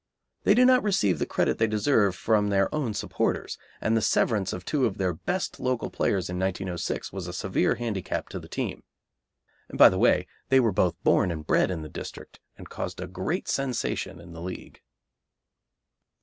They do not receive the credit they deserve from their own supporters, and the severance of two of their best local players in 1906 was a severe handicap to the team. By the way, they were both born and bred in the district, and caused a great sensation in the League.